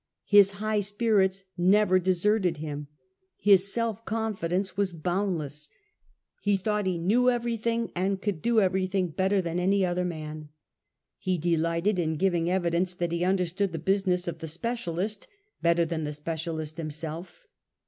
His high spirits never deserted him. His self confidence was boundless. He thought he knew everything and could do every thing better than any other man. He delighted in giving evidence that he understood the business of the specialist better than the specialist himself.